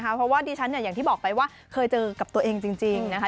เพราะว่าดิฉันอย่างที่บอกไปว่าเคยเจอกับตัวเองจริงนะคะ